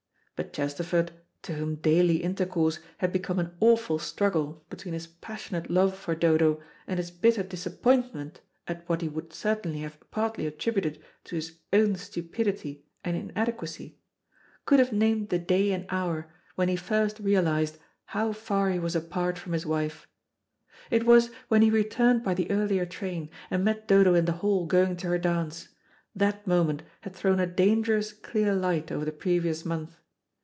But Chesterford, to whom daily intercourse had become an awful struggle between his passionate love for Dodo and his bitter disappointment at what he would certainly have partly attributed to his own stupidity and inadequacy, could have named the day and hour when he first realised how far he was apart from his wife. It was when he returned by the earlier train and met Dodo in the hall going to her dance; that moment had thrown a dangerous clear light over the previous month.